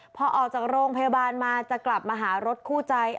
พอออกจากโรงพยาบาลมาจะกลับมาหารถคู่ใจ